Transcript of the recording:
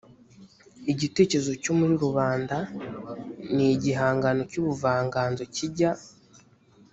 igitekerezo cyo muri rubanda ni igihangano cy ubuvanganzo kijya